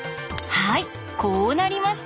はいこうなりました。